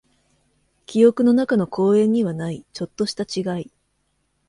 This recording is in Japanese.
記憶の中の公園にはない、ちょっとした違い。